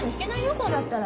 こうなったら。